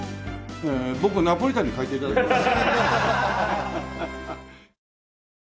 僕ナポリタンに変えて頂けます？